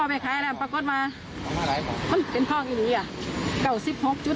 ไปขายแล้วปรากฏมาเป็นท่องอีกนี้อ่ะเก้าสิบหกจุด